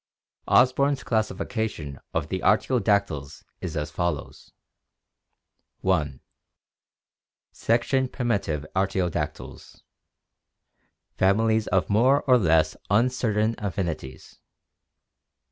^^ Osborn's classification of the Artiodactyla is as follows: (i) Section Primitive Artiodactyls (families of more or less uncertain affinities).